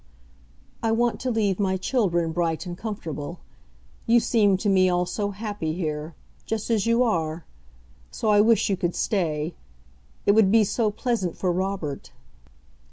"I want to leave my children bright and comfortable. You seem to me all so happy here—just as you are. So I wish you could stay. It would be so pleasant for Robert."